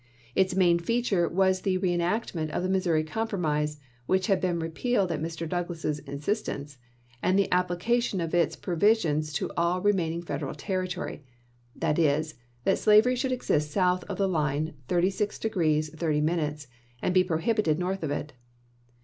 Its main feature was the reenactment of the Missouri Compromise, which had been repealed at Mr. Douglas's instance, and the application of its provisions to all remain ing Federal territory — that is, that slavery should exist south of the line 36° 30' and be prohibited north of it.